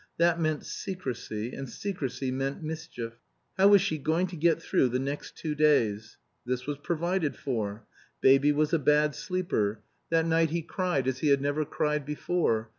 That meant secrecy, and secrecy meant mischief. How was she going to get through the next two days? This was provided for. Baby was a bad sleeper. That night he cried as he had never cried before.